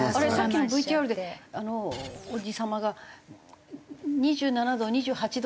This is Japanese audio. さっきのＶＴＲでおじ様が２７度２８度にして節約って。